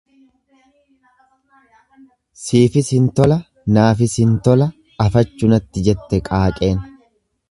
Siifis hin tola naafis hintola afachu natti jette qaaqeen.